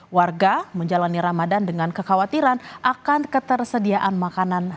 warga menjalani ramadan dengan kekhawatiran akan ketersediaan makanan